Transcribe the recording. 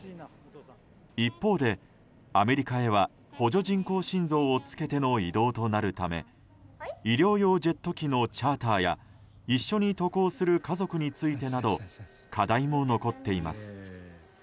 一方でアメリカへは補助人工心臓をつけての移動となるため医療用ジェット機のチャーターや一緒に渡航する家族についてなど課題も残っています。